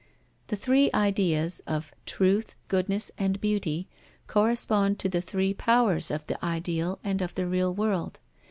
The three Ideas of Truth, Goodness, and Beauty correspond to the three powers of the ideal and of the real world.